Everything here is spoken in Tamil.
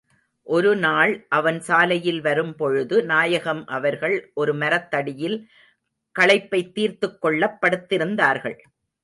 ஒரு நாள் அவன் சாலையில் வரும் பொழுது, நாயகம் அவர்கள் ஒரு மரத்தடியில் களைப்பைத் தீர்த்துக் கொள்ளப் படுத்திருந்தார்கள்.